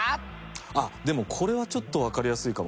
あっでもこれはちょっとわかりやすいかも。